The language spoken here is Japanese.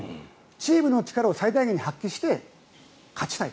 チームの力を最大限に発揮して勝ちたい。